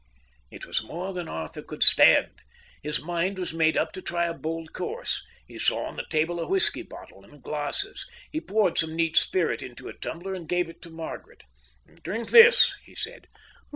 It was more than Arthur could stand. His mind was made up to try a bold course. He saw on the table a whisky bottle and glasses. He poured some neat spirit into a tumbler and gave it to Margaret. "Drink this," he said.